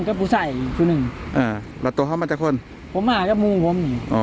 ก็ผู้ใส่ผู้นึงอ่าแล้วตัวเข้ามาเจ้าคนผมมาก็มุมผมอ๋อ